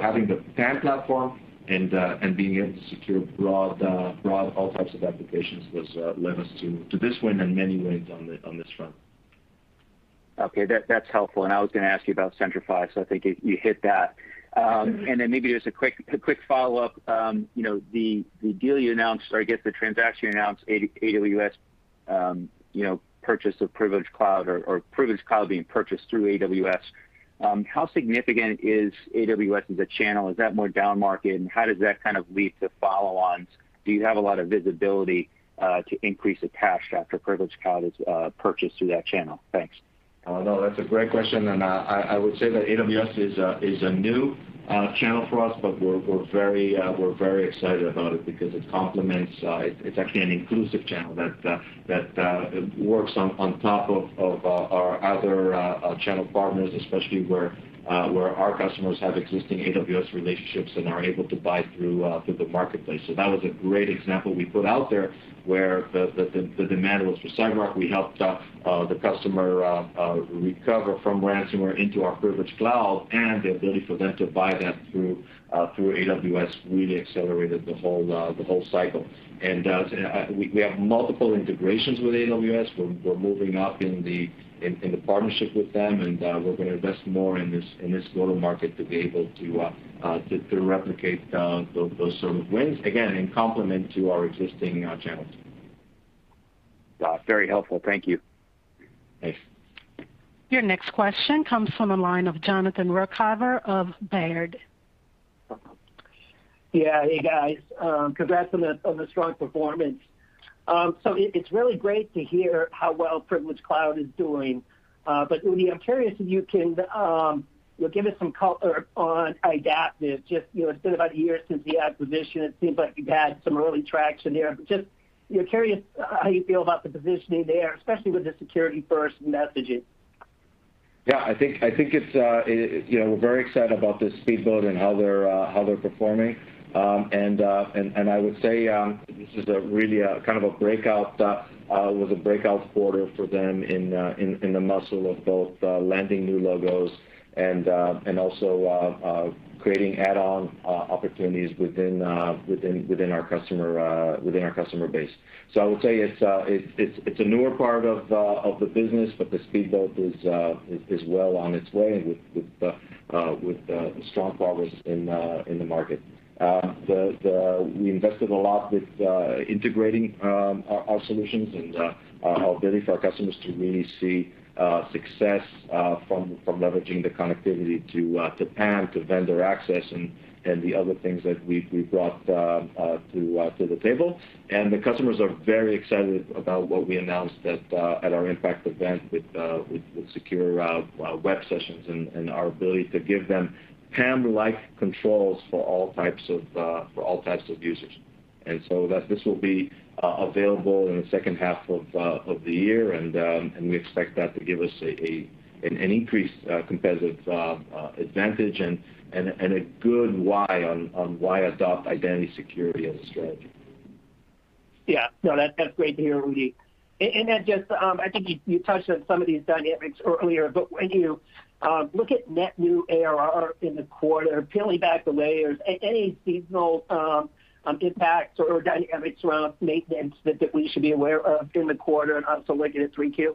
[SPEAKER 3] Having the PAM platform and being able to secure broad, all types of applications led us to this win and many wins on this front.
[SPEAKER 11] Okay. That's helpful. I was going to ask you about Centrify, so I think you hit that. Then maybe just a quick follow-up. The deal you announced, or I guess the transaction you announced, AWS purchase of Privilege Cloud, or Privilege Cloud being purchased through AWS. How significant is AWS as a channel? Is that more down-market, and how does that kind of lead to follow-ons? Do you have a lot of visibility to increase the cash after Privilege Cloud is purchased through that channel? Thanks.
[SPEAKER 3] That's a great question. I would say that AWS is a new channel for us. We're very excited about it because it's actually an inclusive channel that works on top of our other channel partners, especially where our customers have existing AWS relationships and are able to buy through the marketplace. That was a great example we put out there where the demand was for CyberArk. We helped the customer recover from ransomware into our Privilege Cloud, the ability for them to buy that through AWS really accelerated the whole cycle. We have multiple integrations with AWS. We're moving up in the partnership with them. We're going to invest more in this go-to-market to be able to replicate those sort of wins, again, in complement to our existing channels.
[SPEAKER 11] Very helpful. Thank you.
[SPEAKER 3] Thanks.
[SPEAKER 1] Your next question comes from the line of Jonathan Ruykhaver of Baird.
[SPEAKER 12] Hey, guys. Congrats on the strong performance. It's really great to hear how well Privilege Cloud is doing. Udi, I'm curious if you can give us some color on Idaptive. It's been about one year since the acquisition. It seems like you've had some early traction there. Just curious how you feel about the positioning there, especially with the security-first messaging.
[SPEAKER 3] I think we're very excited about this speedboats and how they're performing. I would say this is really a kind of a breakout. It was a breakout quarter for them in the muscle of both landing new logos and also creating add-on opportunities within our customer base. I would say it's a newer part of the business, but the speedboats is well on its way with strong progress in the market. We invested a lot with integrating our solutions and our ability for our customers to really see success from leveraging the connectivity to PAM, to vendor access, and the other things that we've brought to the table. The customers are very excited about what we announced at our Impact event with Secure Web Sessions and our ability to give them PAM-like controls for all types of users. This will be available in the second half of the year, and we expect that to give us an increased competitive advantage and a good why on why adopt identity security as a strategy.
[SPEAKER 12] Yeah. No, that's great to hear, Udi. Just, I think you touched on some of these dynamics earlier, when you look at net new ARR in the quarter, peeling back the layers, any seasonal impacts or dynamics around maintenance that we should be aware of in the quarter and also looking at 3Q?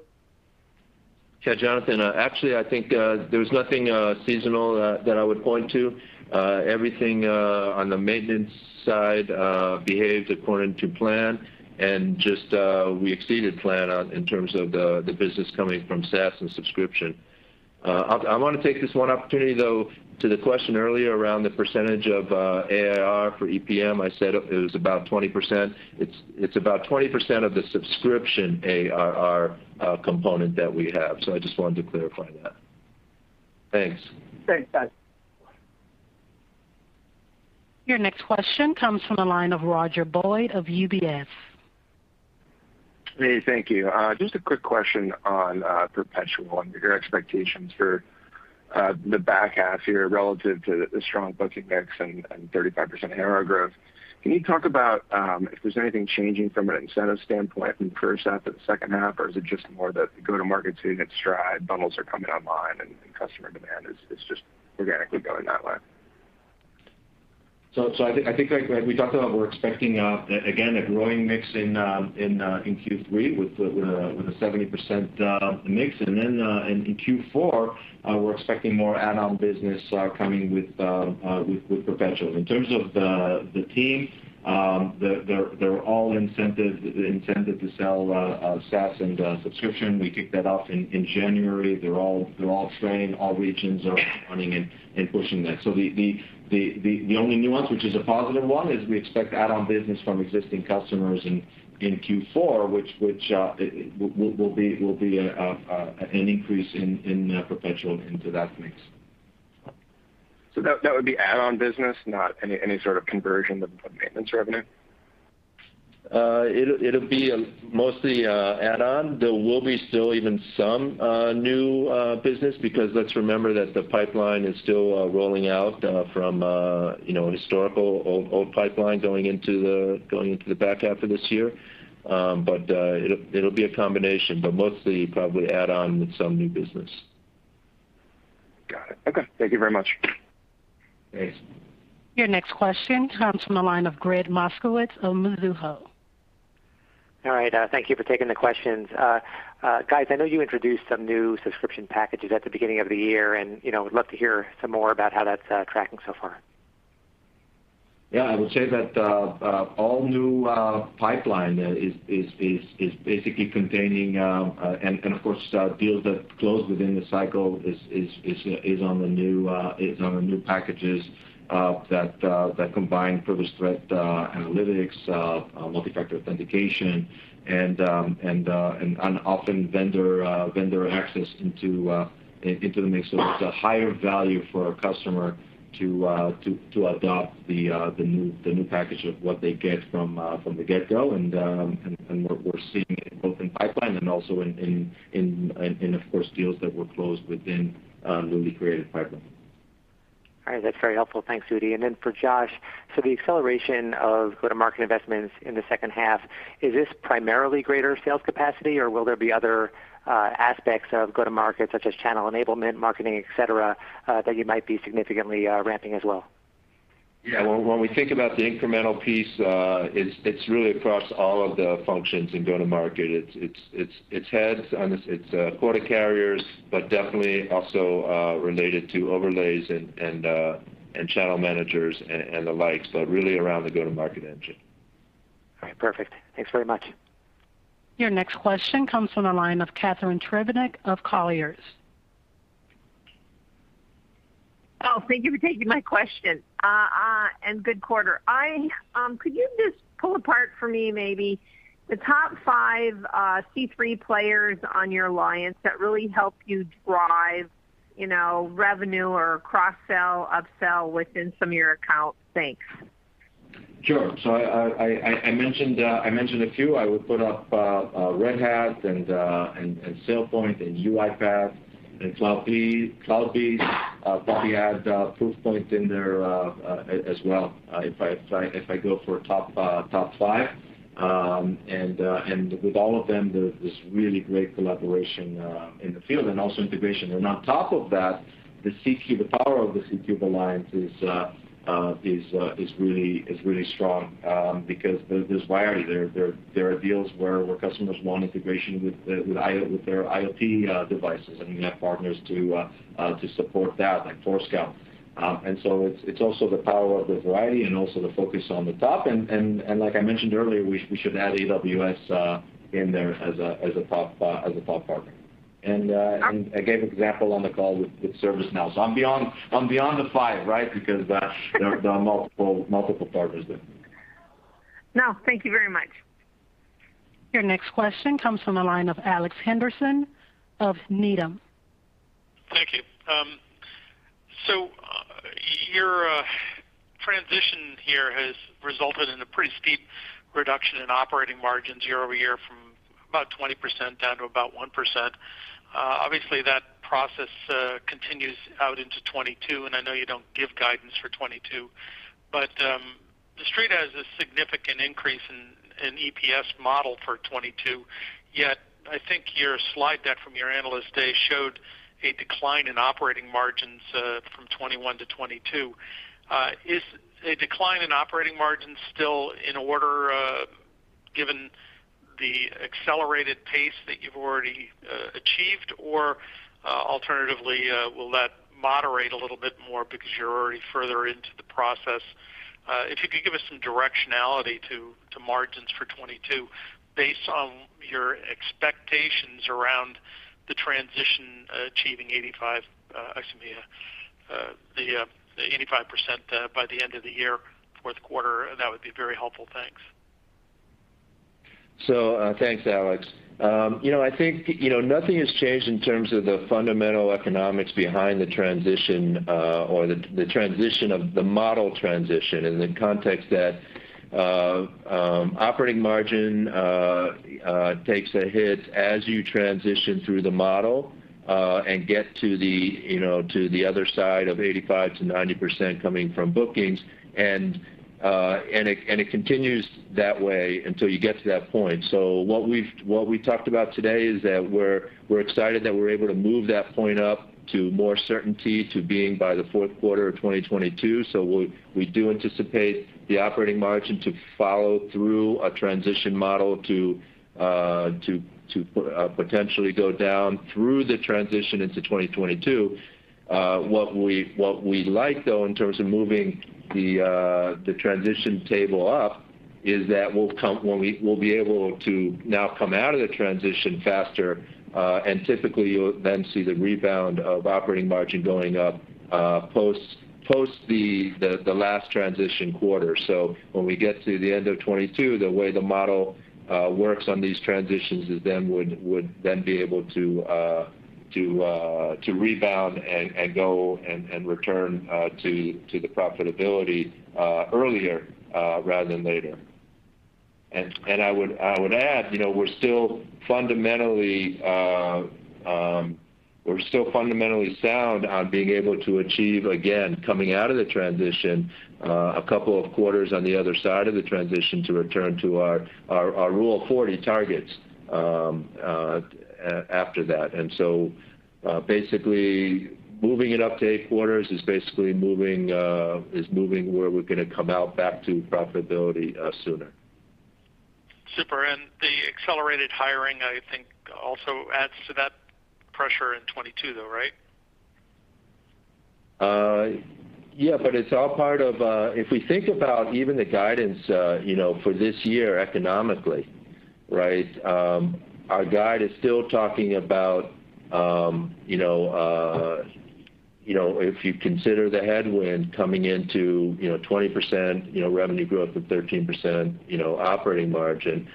[SPEAKER 3] Yeah, Jonathan, actually, I think there's nothing seasonal that I would point to. Everything on the maintenance side behaves according to plan, and just we exceeded plan in terms of the business coming from SaaS and subscription. I want to take this one opportunity, though, to the question earlier around the percentage of ARR for EPM, I said it was about 20%. It's about 20% of the subscription ARR component that we have. I just wanted to clarify that. Thanks.
[SPEAKER 12] Thanks, guys.
[SPEAKER 1] Your next question comes from the line of Roger Boyd of UBS.
[SPEAKER 13] Hey, thank you. Just a quick question on perpetual and your expectations for the back half here relative to the strong booking mix and 35% ARR growth. Can you talk about if there's anything changing from an incentive standpoint from first half to the second half, or is it just more the go-to-market unit stride bundles are coming online and customer demand is just organically going that way?
[SPEAKER 3] I think, like we talked about, we're expecting, again, a growing mix in Q3 with a 70% mix. In Q4, we're expecting more add-on business coming with perpetual. In terms of the team, they're all incented to sell SaaS and subscription. We kicked that off in January. They're all trained, all regions are running and pushing that. The only nuance, which is a positive one, is we expect add-on business from existing customers in Q4, which will be an increase in perpetual into that mix.
[SPEAKER 13] That would be add-on business, not any sort of conversion of maintenance revenue?
[SPEAKER 3] It'll be mostly add-on. There will be still even some new business because let's remember that the pipeline is still rolling out from an historical old pipeline going into the back half of this year. It'll be a combination, but mostly probably add-on with some new business.
[SPEAKER 13] Got it. Okay. Thank you very much.
[SPEAKER 3] Thanks.
[SPEAKER 1] Your next question comes from the line of Gregg Moskowitz of Mizuho.
[SPEAKER 14] All right, thank you for taking the questions. Guys, I know you introduced some new subscription packages at the beginning of the year, and I would love to hear some more about how that's tracking so far.
[SPEAKER 3] Yeah, I would say that all new pipeline is basically containing, and of course, deals that closed within the cycle is on the new packages that combine Privileged Threat Analytics, multi-factor authentication, and often vendor access into the mix. So it's a higher value for a customer to adopt the new package of what they get from the get-go. We're seeing it both in pipeline and also in, of course, deals that were closed within newly created pipeline.
[SPEAKER 14] All right. That's very helpful. Thanks, Udi. For Josh, the acceleration of go-to-market investments in the second half, is this primarily greater sales capacity, or will there be other aspects of go-to-market, such as channel enablement, marketing, et cetera that you might be significantly ramping as well?
[SPEAKER 4] When we think about the incremental piece, it's really across all of the functions in go-to-market. It's heads on this, it's quota carriers, but definitely also related to overlays and channel managers and the like. Really around the go-to-market engine.
[SPEAKER 14] All right. Perfect. Thanks very much.
[SPEAKER 1] Your next question comes from the line of Catharine Trebnick of Colliers.
[SPEAKER 15] Oh, thank you for taking my question. Good quarter. Could you just pull apart for me maybe the top five C3 players on your alliance that really help you drive revenue or cross-sell, up-sell within some of your accounts? Thanks.
[SPEAKER 3] I mentioned a few. I would put up Red Hat and SailPoint and UiPath and CloudBees. Probably add Proofpoint in there as well if I go for top five. With all of them, there's really great collaboration in the field and also integration. On top of that, the power of the C3 alliance is really strong because there's variety. There are deals where customers want integration with their IoT devices, and we have partners to support that, like Forescout. So it's also the power of the variety and also the focus on the top. Like I mentioned earlier, we should add AWS in there as a top partner. I gave example on the call with ServiceNow. I'm beyond the five, right? Because there are multiple partners there.
[SPEAKER 15] No, thank you very much.
[SPEAKER 1] Your next question comes from the line of Alex Henderson of Needham.
[SPEAKER 16] Your transition here has resulted in a pretty steep reduction in operating margins year-over-year from about 20% down to about 1%. Obviously, that process continues out into 2022, and I know you don't give guidance for 2022. The Street has a significant increase in EPS model for 2022, yet I think your slide deck from your Analyst Day showed a decline in operating margins from 2021-2022. Is a decline in operating margin still in order given the accelerated pace that you've already achieved? Alternatively, will that moderate a little bit more because you're already further into the process? If you could give us some directionality to margins for 2022 based on your expectations around the transition achieving 85% by the end of the year, fourth quarter, that would be very helpful. Thanks.
[SPEAKER 4] Thanks, Alex. I think nothing has changed in terms of the fundamental economics behind the transition or the model transition in the context that operating margin takes a hit as you transition through the model and get to the other side of 85%-90% coming from bookings. It continues that way until you get to that point. What we talked about today is that we're excited that we're able to move that point up to more certainty to being by the fourth quarter of 2022. We do anticipate the operating margin to follow through a transition model to potentially go down through the transition into 2022. What we like though, in terms of moving the transition table up, is that we'll be able to now come out of the transition faster. Typically, you'll then see the rebound of operating margin going up post the last transition quarter. When we get to the end of 2022, the way the model works on these transitions is would then be able to rebound and go and return to the profitability earlier rather than later. I would add, we're still fundamentally sound on being able to achieve, again, coming out of the transition, two quarters on the other side of the transition to return to our Rule 40 targets after that. Basically, moving it up to eight quarters is basically moving where we're going to come out back to profitability sooner.
[SPEAKER 16] Super. The accelerated hiring, I think, also adds to that pressure in 2022 though, right?
[SPEAKER 4] If we think about even the guidance for this year economically, our guide is still talking about if you consider the headwind coming into 20% revenue growth with 13% operating margin.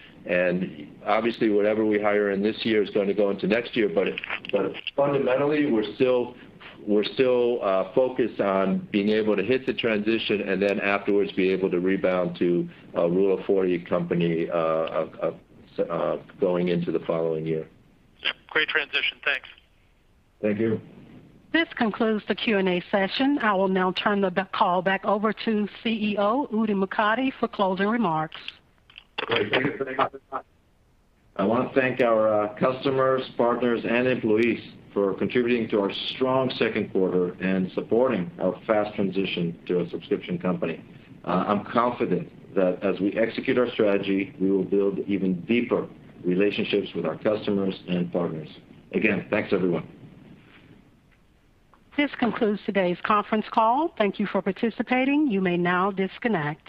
[SPEAKER 4] Obviously, whatever we hire in this year is going to go into next year. Fundamentally, we're still focused on being able to hit the transition and then afterwards be able to rebound to a Rule of 40 company going into the following year.
[SPEAKER 16] Yep. Great transition. Thanks.
[SPEAKER 4] Thank you.
[SPEAKER 1] This concludes the Q&A session. I will now turn the call back over to CEO, Udi Mokady, for closing remarks.
[SPEAKER 3] Great. Thank you for the time. I want to thank our customers, partners, and employees for contributing to our strong second quarter and supporting our fast transition to a subscription company. I am confident that as we execute our strategy, we will build even deeper relationships with our customers and partners. Again, thanks everyone.
[SPEAKER 1] This concludes today's conference call. Thank you for participating. You may now disconnect.